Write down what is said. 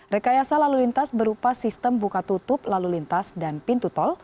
rekayasa lalu lintas berupa sistem buka tutup lalu lintas dan pintu tol